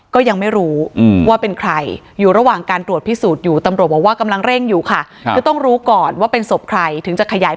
ก็ยังไม่รู้ว่าเป็นใครอยู่ระหว่างการตรวจพิสูจน์อยู่ตำรวจบอกว่ากำลังเร่งอยู่ค่ะคือต้องรู้ก่อนว่าเป็นศพใครถึงจะขยาย